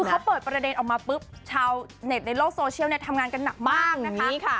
พอเปิดประเด็นออกมาปุ๊บชาวเน็ตในโลกโซเชียลทำงานกันหนักมากนะคะ